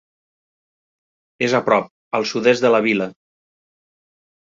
És a prop al sud-est de la vila.